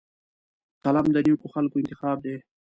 قلم د نیکو خلکو انتخاب دی